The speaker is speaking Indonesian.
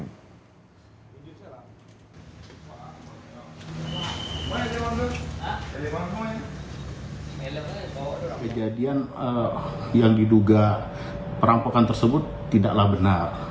kendi mengatakan bahwa pencuri ini adalah kejadian yang diduga perampokan tersebut tidaklah benar